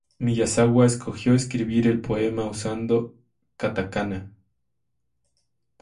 Miyazawa escogió escribir el poema usando katakana.